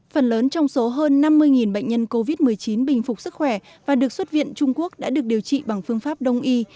phần lớn trong số hơn năm mươi bệnh nhân covid một mươi chín bình phục sức khỏe và được xuất viện trung quốc đã được điều trị bằng phương pháp đông y